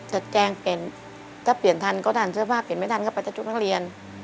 จะแจ้งเปลี่ยนถ้าเปลี่ยนทันก็ทันเสื้อผ้าเปลี่ยนไม่ทันก็ไปจะทุกนักเรียน